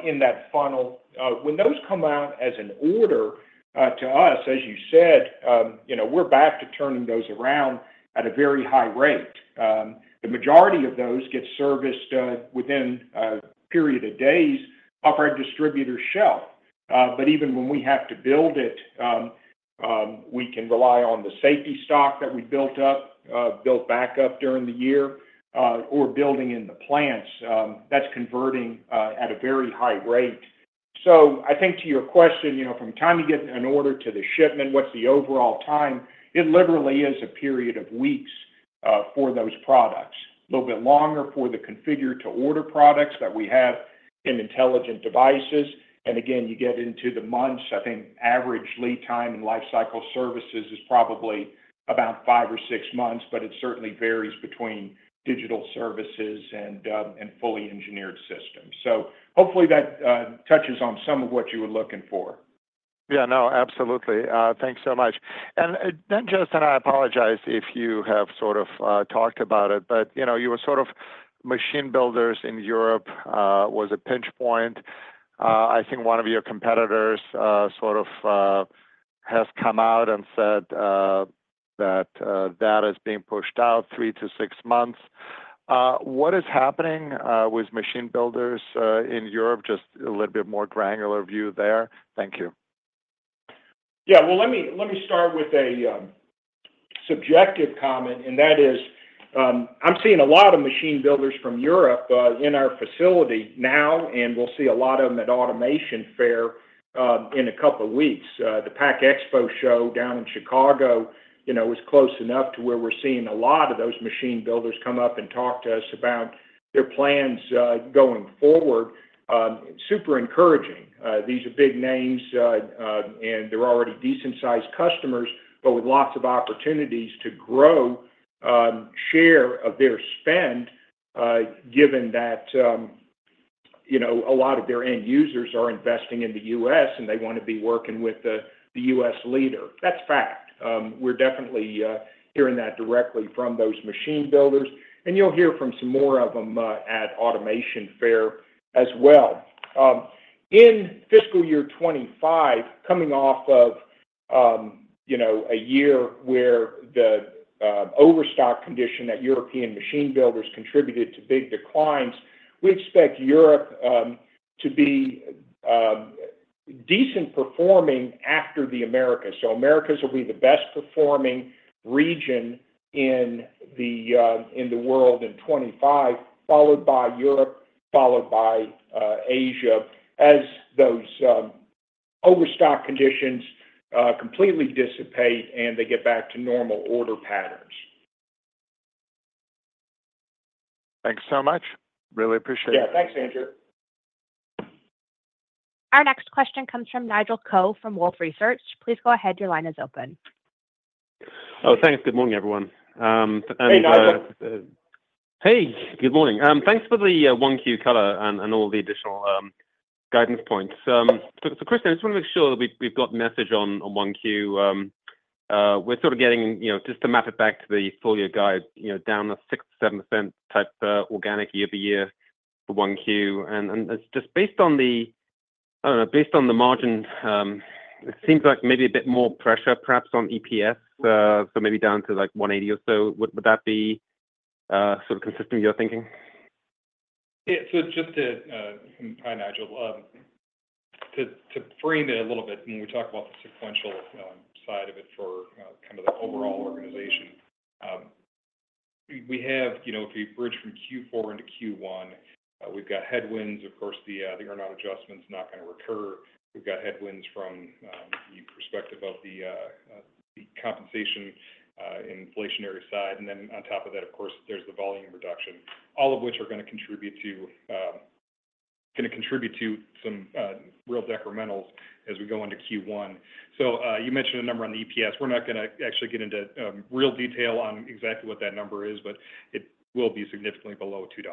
in that funnel, when those come out as an order to us, as you said, we're back to turning those around at a very high rate. The majority of those get serviced within a period of days off our distributor shelf. But even when we have to build it, we can rely on the safety stock that we built up, built back up during the year, or building in the plants. That's converting at a very high rate. So I think to your question, from the time you get an order to the shipment, what's the overall time? It literally is a period of weeks for those products. A little bit longer for the configure-to-order products that we have in Intelligent Devices. And again, you get into the months. I think average lead time in Lifecycle Services is probably about five or six months, but it certainly varies between digital services and fully engineered systems. So hopefully that touches on some of what you were looking for. Yeah. No, absolutely. Thanks so much. And then just, I apologize if you have sort of talked about it, but you were sort of machine builders in Europe was a pinch point. I think one of your competitors sort of has come out and said that that is being pushed out three to six months. What is happening with machine builders in Europe? Just a little bit more granular view there. Thank you. Yeah. Let me start with a subjective comment, and that is I'm seeing a lot of machine builders from Europe in our facility now, and we'll see a lot of them at Automation Fair in a couple of weeks. The Pack Expo show down in Chicago was close enough to where we're seeing a lot of those machine builders come up and talk to us about their plans going forward. Super encouraging. These are big names, and they're already decent-sized customers, but with lots of opportunities to grow share of their spend, given that a lot of their end users are investing in the U.S. and they want to be working with the U.S. leader. That's fact. We're definitely hearing that directly from those machine builders, and you'll hear from some more of them at Automation Fair as well. In fiscal year 2025, coming off of a year where the overstock condition at European machine builders contributed to big declines, we expect Europe to be decent performing after the Americas. So Americas will be the best-performing region in the world in 2025, followed by Europe, followed by Asia, as those overstock conditions completely dissipate and they get back to normal order patterns. Thanks so much. Really appreciate it. Yeah. Thanks, Andrew. Our next question comes from Nigel Coe from Wolfe Research. Please go ahead. Your line is open. Oh, thanks. Good morning, everyone. Hey, Nigel. Hey. Good morning. Thanks for the 1Q color and all the additional guidance points. So Christian, I just want to make sure that we've got the message on 1Q. We're sort of getting just to map it back to the full year guide, down to 6%-7% type organic year-to-year for 1Q. And just based on the, I don't know. Based on the margin, it seems like maybe a bit more pressure, perhaps, on EPS. So maybe down to like $1.80 or so. Would that be sort of consistent with your thinking? Yeah. So just to hi, Nigel. To frame it a little bit, when we talk about the sequential side of it for kind of the overall organization, we have, if we bridge from Q4 into Q1, we've got headwinds. Of course, the earn-out adjustment is not going to recur. We've got headwinds from the perspective of the compensation inflationary side. And then on top of that, of course, there's the volume reduction, all of which are going to contribute to some real decrementals as we go into Q1. So you mentioned a number on the EPS. We're not going to actually get into real detail on exactly what that number is, but it will be significantly below $2.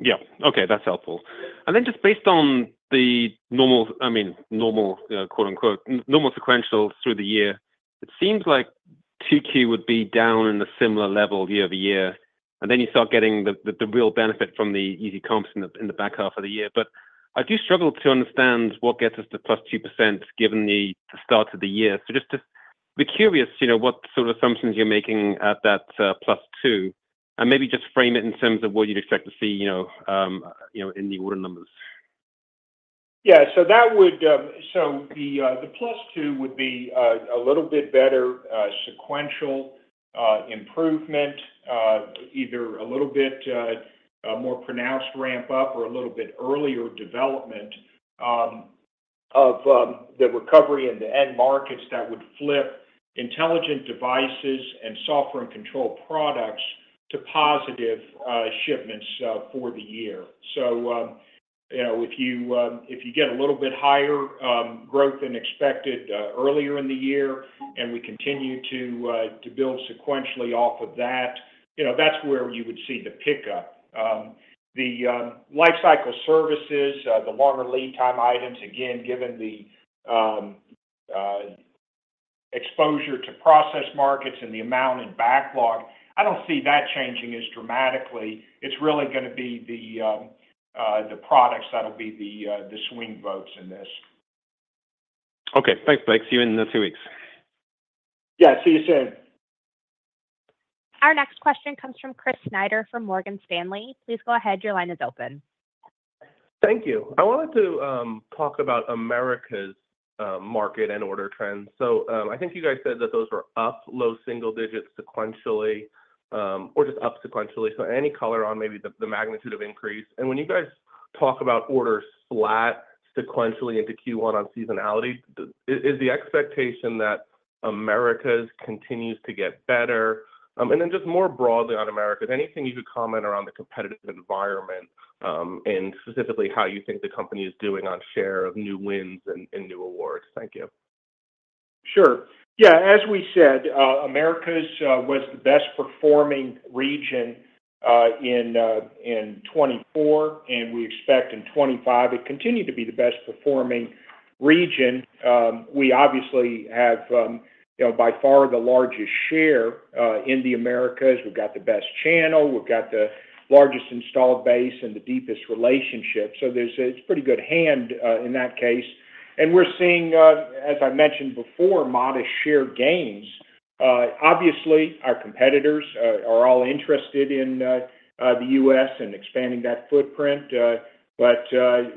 Yeah. Okay. That's helpful. And then just based on the normal, I mean, normal quote-unquote normal sequential through the year, it seems like 2Q would be down in a similar level year-to-year. And then you start getting the real benefit from the easy comps in the back half of the year. But I do struggle to understand what gets us to +2% given the start of the year. So just to be curious, what sort of assumptions you're making at that +2%, and maybe just frame it in terms of what you'd expect to see in the order numbers? Yeah. So that would, the +2% would be a little bit better sequential improvement, either a little bit more pronounced ramp-up or a little bit earlier development of the recovery in the end markets that would flip Intelligent Devices and Software & Control products to positive shipments for the year. So if you get a little bit higher growth than expected earlier in the year, and we continue to build sequentially off of that, that's where you would see the pickup. The Lifecycle Services, the longer lead time items, again, given the exposure to process markets and the amount in backlog, I don't see that changing as dramatically. It's really going to be the products that'll be the swing votes in this. Okay. Thanks, Blake. See you in two weeks. Yeah. See you soon. Our next question comes from Chris Snyder from Morgan Stanley. Please go ahead. Your line is open. Thank you. I wanted to talk about Americas market and order trends. So I think you guys said that those were up, low single digits sequentially, or just up sequentially. So any color on maybe the magnitude of increase. And when you guys talk about orders flat sequentially into Q1 on seasonality, is the expectation that Americas continues to get better? And then just more broadly on Americas, anything you could comment around the competitive environment and specifically how you think the company is doing on share of new wins and new awards? Thank you. Sure. Yeah. As we said, Americas was the best-performing region in 2024, and we expect in 2025 it continued to be the best-performing region. We obviously have by far the largest share in the Americas. We've got the best channel. We've got the largest installed base and the deepest relationship. So it's pretty good hand in that case, and we're seeing, as I mentioned before, modest share gains. Obviously, our competitors are all interested in the U.S. and expanding that footprint, but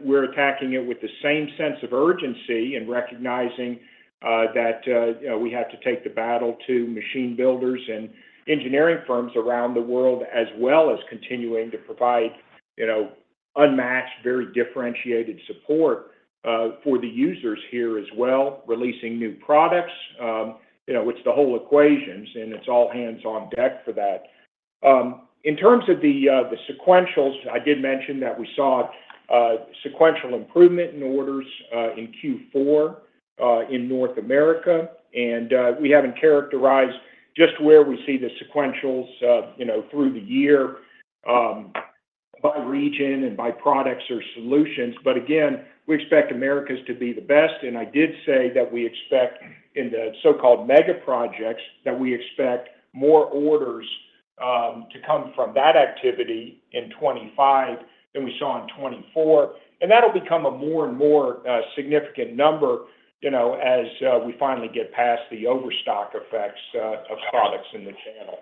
we're attacking it with the same sense of urgency and recognizing that we have to take the battle to machine builders and engineering firms around the world, as well as continuing to provide unmatched, very differentiated support for the users here as well, releasing new products, which the whole equation's and it's all hands on deck for that. In terms of the sequentials, I did mention that we saw sequential improvement in orders in Q4 in North America. And we haven't characterized just where we see the sequentials through the year by region and by products or solutions. But again, we expect Americas to be the best. And I did say that we expect in the so-called mega projects that we expect more orders to come from that activity in 2025 than we saw in 2024. And that'll become a more and more significant number as we finally get past the overstock effects of products in the channel.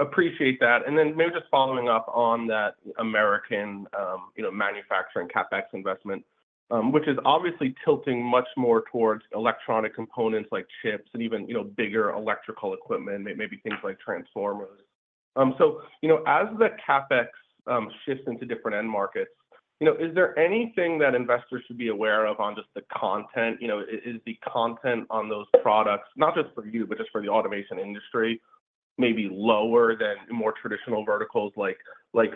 Appreciate that. And then maybe just following up on that American manufacturing CapEx investment, which is obviously tilting much more towards electronic components like chips and even bigger electrical equipment, maybe things like transformers. So as the CapEx shifts into different end markets, is there anything that investors should be aware of on just the content? Is the content on those products, not just for you, but just for the automation industry, maybe lower than more traditional verticals like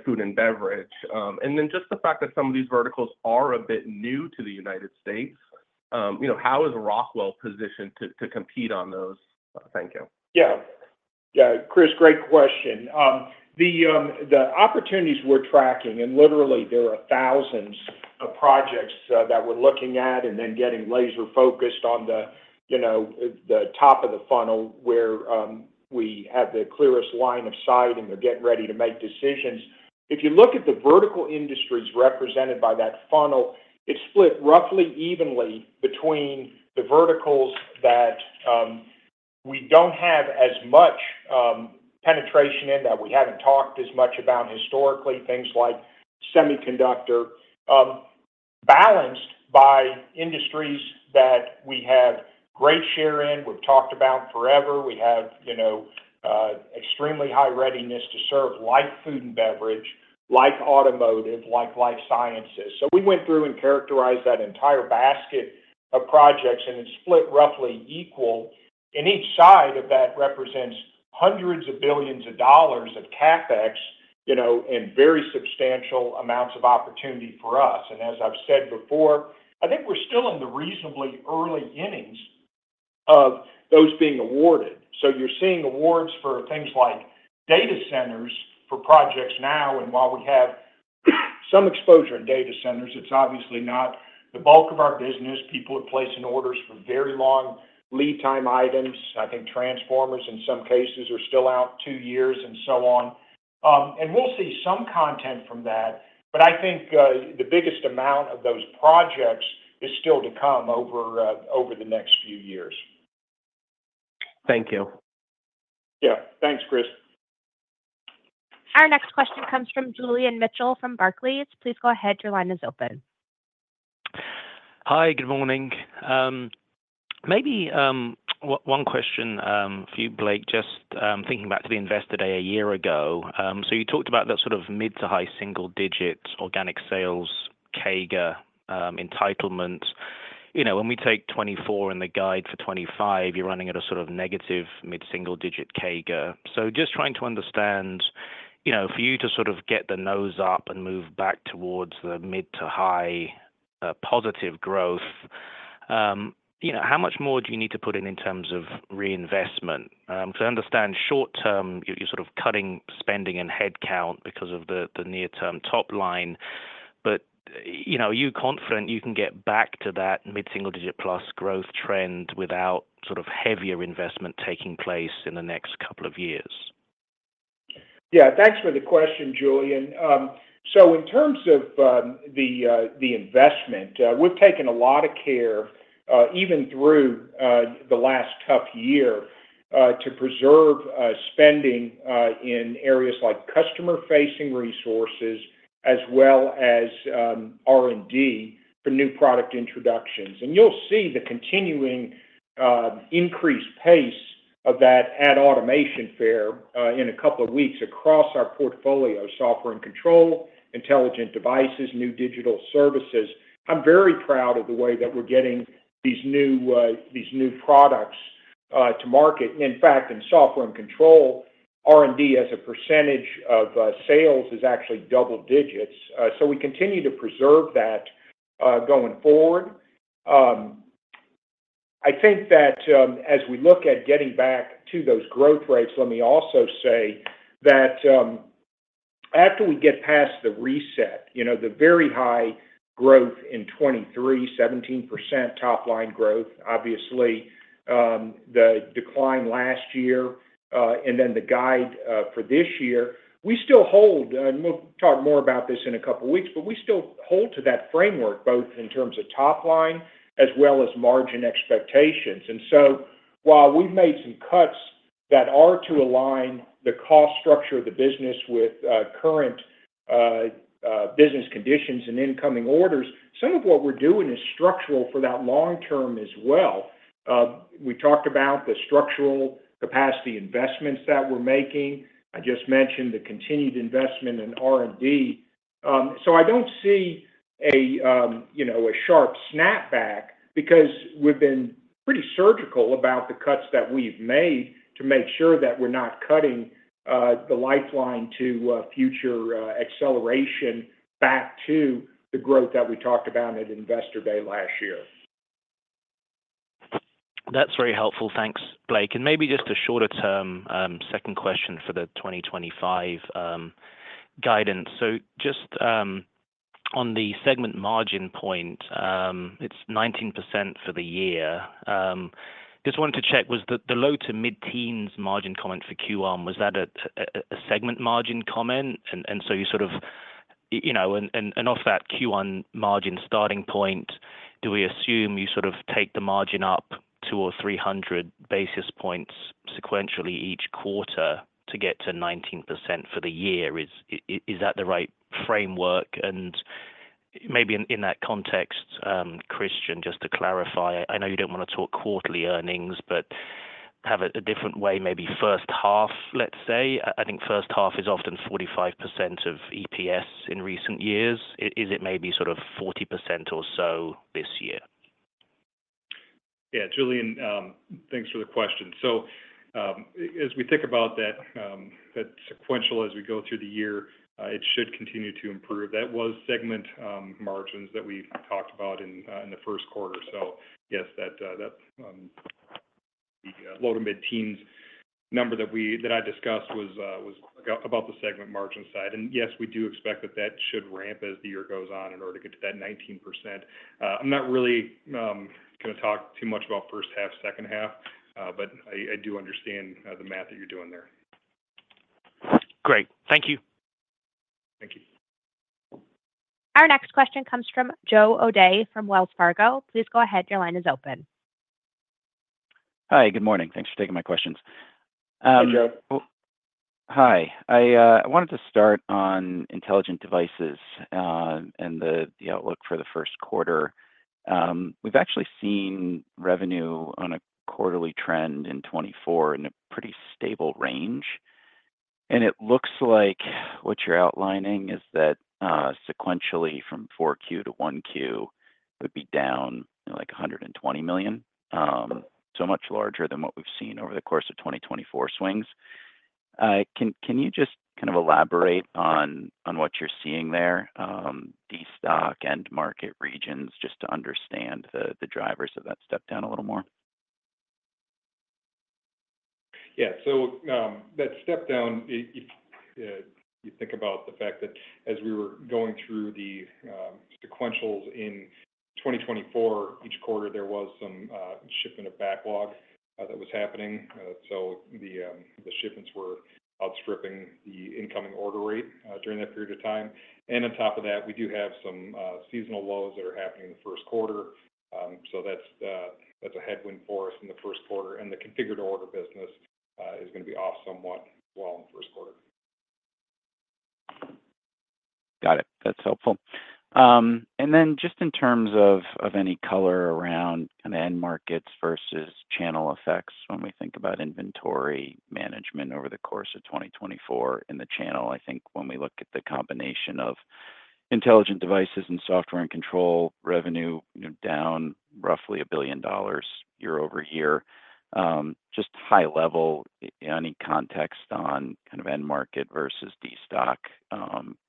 food and beverage? And then just the fact that some of these verticals are a bit new to the United States, how is Rockwell positioned to compete on those? Thank you. Yeah. Yeah. Chris, great question. The opportunities we're tracking, and literally, there are thousands of projects that we're looking at and then getting laser-focused on the top of the funnel where we have the clearest line of sight, and they're getting ready to make decisions. If you look at the vertical industries represented by that funnel, it's split roughly evenly between the verticals that we don't have as much penetration in that we haven't talked as much about historically, things like semiconductor, balanced by industries that we have great share in. We've talked about forever. We have extremely high readiness to serve like food and beverage, like automotive, like life sciences. So we went through and characterized that entire basket of projects, and it's split roughly equal, and each side of that represents hundreds of billions of dollars of CapEx and very substantial amounts of opportunity for us. And as I've said before, I think we're still in the reasonably early innings of those being awarded. So you're seeing awards for things like data centers for projects now. And while we have some exposure in data centers, it's obviously not the bulk of our business. People are placing orders for very long lead time items. I think transformers in some cases are still out two years and so on. And we'll see some content from that. But I think the biggest amount of those projects is still to come over the next few years. Thank you. Yeah. Thanks, Chris. Our next question comes from Julian Mitchell from Barclays. Please go ahead. Your line is open. Hi. Good morning. Maybe one question for you, Blake. Just thinking back to the investor day a year ago, so you talked about that sort of mid to high single digit organic sales CAGR entitlement. When we take 2024 and the guide for 2025, you're running at a sort of negative mid-single digit CAGR. So just trying to understand for you to sort of get the nose up and move back towards the mid to high positive growth, how much more do you need to put in in terms of reinvestment? Because I understand short-term, you're sort of cutting spending and headcount because of the near-term top line. But are you confident you can get back to that mid-single digit plus growth trend without sort of heavier investment taking place in the next couple of years? Yeah. Thanks for the question, Julian. So in terms of the investment, we've taken a lot of care even through the last tough year to preserve spending in areas like customer-facing resources as well as R&D for new product introductions. And you'll see the continuing increased pace of that at Automation Fair in a couple of weeks across our portfolio: Software & Control, Intelligent Devices, new digital services. I'm very proud of the way that we're getting these new products to market. In fact, in Software & Control, R&D as a percentage of sales is actually double digits, so we continue to preserve that going forward. I think that as we look at getting back to those growth rates, let me also say that after we get past the reset, the very high growth in 2023, 17% top line growth, obviously the decline last year, and then the guide for this year, we still hold, and we'll talk more about this in a couple of weeks, but we still hold to that framework, both in terms of top line as well as margin expectations. And so while we've made some cuts that are to align the cost structure of the business with current business conditions and incoming orders, some of what we're doing is structural for that long term as well. We talked about the structural capacity investments that we're making. I just mentioned the continued investment in R&D. So I don't see a sharp snapback because we've been pretty surgical about the cuts that we've made to make sure that we're not cutting the lifeline to future acceleration back to the growth that we talked about at Investor Day last year. That's very helpful. Thanks, Blake. And maybe just a shorter-term second question for the 2025 guidance. So just on the segment margin point, it's 19% for the year. Just wanted to check, was the low to mid-teens margin comment for Q1, was that a segment margin comment? And so, and off that Q1 margin starting point, do we assume you sort of take the margin up two or three hundred basis points sequentially each quarter to get to 19% for the year? Is that the right framework? And maybe in that context, Christian, just to clarify, I know you don't want to talk quarterly earnings, but have a different way, maybe first half, let's say. I think first half is often 45% of EPS in recent years. Is it maybe sort of 40% or so this year? Yeah. Julian, thanks for the question. So as we think about that sequential as we go through the year, it should continue to improve. That was segment margins that we talked about in the first quarter. So yes, that low to mid-teens number that I discussed was about the segment margin side. And yes, we do expect that that should ramp as the year goes on in order to get to that 19%. I'm not really going to talk too much about first half, second half, but I do understand the math that you're doing there. Great. Thank you. Thank you. Our next question comes from Joe O'Dea from Wells Fargo. Please go ahead. Your line is open. Hi. Good morning. Thanks for taking my questions. Hey, Joe. Hi. I wanted to start on Intelligent Devices and the outlook for the first quarter. We've actually seen revenue on a quarterly trend in 2024 in a pretty stable range. And it looks like what you're outlining is that sequentially from 4Q to 1Q would be down like $120 million, so much larger than what we've seen over the course of 2024 swings. Can you just kind of elaborate on what you're seeing there, the softness in market regions, just to understand the drivers of that step down a little more? Yeah. So that step down, if you think about the fact that as we were going through the sequentials in 2024, each quarter there was some shipment of backlog that was happening. So the shipments were outstripping the incoming order rate during that period of time. And on top of that, we do have some seasonal lows that are happening in the first quarter. So that's a headwind for us in the first quarter. And the configure-to-order business is going to be off somewhat while in the first quarter. Got it. That's helpful. And then just in terms of any color around kind of end markets versus channel effects when we think about inventory management over the course of 2024 in the channel, I think when we look at the combination of Intelligent Devices and Software & Control revenue down roughly $1 billion year over year, just high level, any context on kind of end market versus destock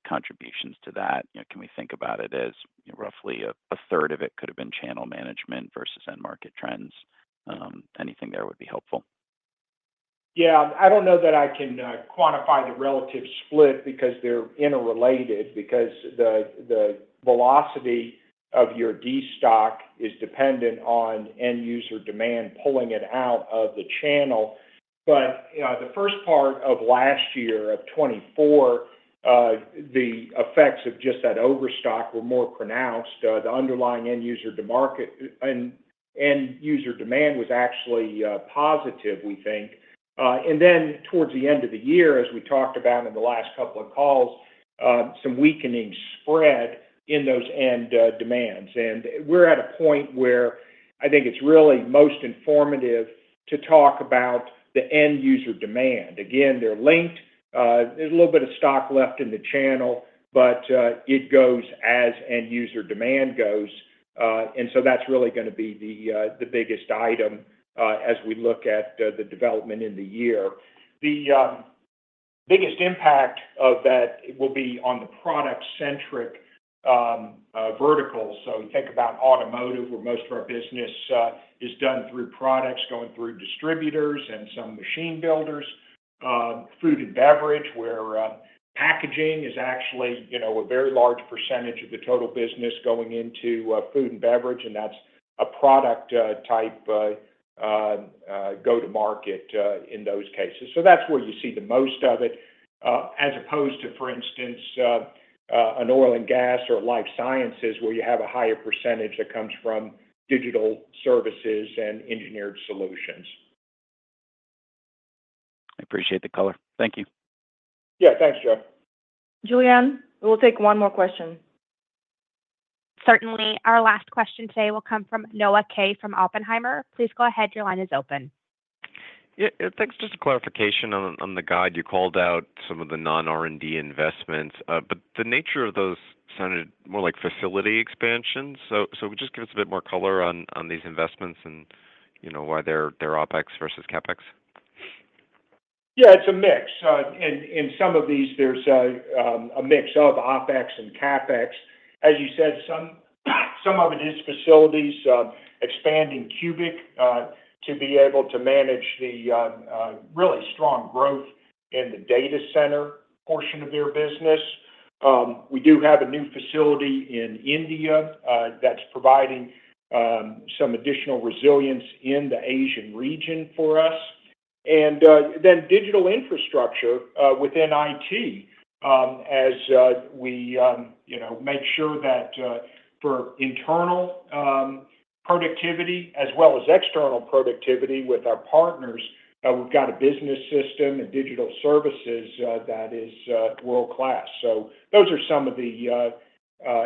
contributions to that. Can we think about it as roughly a third of it could have been channel management versus end market trends? Anything there would be helpful. Yeah. I don't know that I can quantify the relative split because they're interrelated because the velocity of your destock is dependent on end user demand pulling it out of the channel. But the first part of last year of 2024, the effects of just that overstock were more pronounced. The underlying end user demand was actually positive, we think, and then towards the end of the year, as we talked about in the last couple of calls, some weakening spread in those end demands, and we're at a point where I think it's really most informative to talk about the end user demand. Again, they're linked. There's a little bit of stock left in the channel, but it goes as end user demand goes, and so that's really going to be the biggest item as we look at the development in the year. The biggest impact of that will be on the product-centric verticals, so you think about automotive, where most of our business is done through products going through distributors and some machine builders. Food and beverage, where packaging is actually a very large percentage of the total business going into food and beverage, and that's a product-type go-to-market in those cases. So that's where you see the most of it, as opposed to, for instance, an oil and gas or life sciences, where you have a higher percentage that comes from digital services and engineered solutions. I appreciate the color. Thank you. Yeah. Thanks, Joe. Julianne, we'll take one more question. Certainly. Our last question today will come from Noah Kaye from Oppenheimer. Please go ahead. Your line is open. Yeah. Thanks. Just a clarification on the guide. You called out some of the non-R&D investments, but the nature of those sounded more like facility expansions. So would you just give us a bit more color on these investments and why they're OpEx versus CapEx? Yeah. It's a mix. In some of these, there's a mix of OpEx and CapEx. As you said, some of it is facilities expanding CUBIC to be able to manage the really strong growth in the data center portion of their business. We do have a new facility in India that's providing some additional resilience in the Asian region for us. And then digital infrastructure within IT as we make sure that for internal productivity as well as external productivity with our partners, we've got a business system and digital services that is world-class. So those are some of the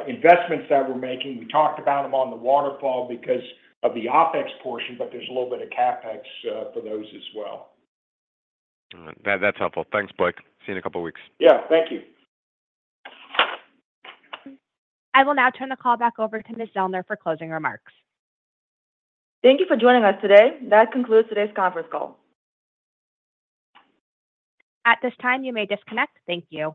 investments that we're making. We talked about them on the waterfall because of the OpEx portion, but there's a little bit of CapEx for those as well. That's helpful. Thanks, Blake. See you in a couple of weeks. Yeah. Thank you. I will now turn the call back over to Ms. Zellner for closing remarks. Thank you for joining us today. That concludes today's conference call. At this time, you may disconnect. Thank you.